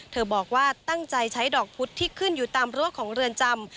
บอกว่าตั้งใจใช้ดอกพุธที่ขึ้นอยู่ตามรั้วของเรือนจำ